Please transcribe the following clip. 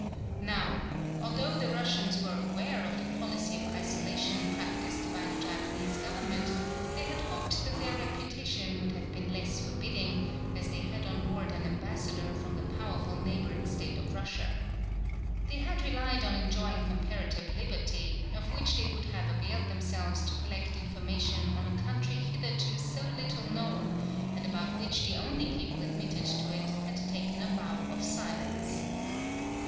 Now, although the Russians were aware of the policy of isolation practised by the Japanese government, they had hoped that their reception would have been less forbidding, as they had on board an ambassador from the powerful neighbouring state of Russia. They had relied on enjoying comparative liberty, of which they would have availed themselves to collect information on a country hitherto so little known and about which the only people admitted to it had taken a vow of silence.